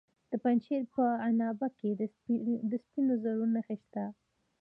د پنجشیر په عنابه کې د سپینو زرو نښې شته.